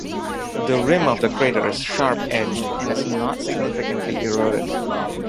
The rim of the crater is sharp-edged, and is not significantly eroded.